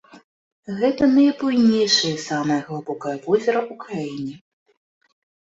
Гэта найбуйнейшае і самае глыбокае возера ў краіне.